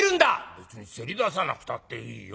「別にせり出さなくたっていいよ。